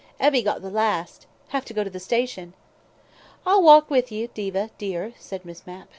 Evie got the last. Have to go to the station." "I'll walk with you, Diva, dear," said Miss Mapp.